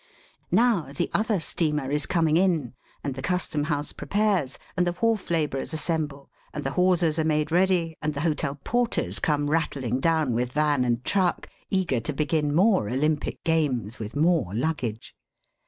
Now, the other steamer is coming in, and the Custom House prepares, and the wharf labourers assemble, and the hawsers are made ready, and the Hotel Porters come rattling down with van and truck, eager to begin more Olympic games with more luggage.